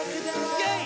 イェイ！